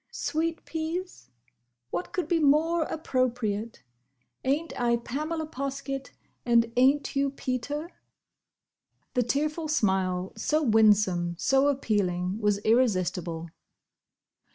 "Sweet peas? What could be more appropriate? Ain't I Pamela Poskett? and ain't you Peter?" The tearful smile, so winsome, so appealing, was irresistible.